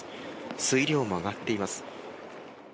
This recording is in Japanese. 水量も上がっています。